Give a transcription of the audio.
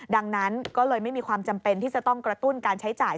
ดังนั้นก็เลยไม่มีความจำเป็นที่จะต้องกระตุ้นการใช้จ่าย